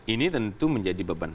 ini tentu menjadi beban